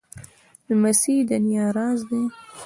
لمسی د نیا راز دی.